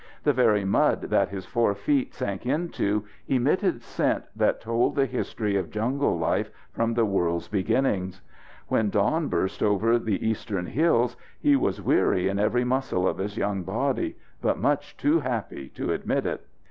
The very mud that his four feet sank into emitted scent that told the history of jungle life from the world's beginnings. When dawn burst over the eastern hills, he was weary in every muscle of his young body, but much too happy to admit it.